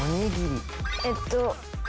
えっと。